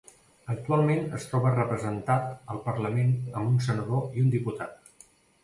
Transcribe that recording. Actualment es troba representat al Parlament amb un senador i un diputat.